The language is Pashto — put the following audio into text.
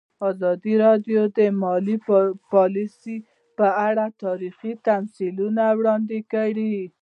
ازادي راډیو د مالي پالیسي په اړه تاریخي تمثیلونه وړاندې کړي.